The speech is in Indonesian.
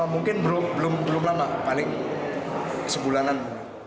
mungkin belum lama paling sebulanan